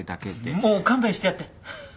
もう勘弁してやって。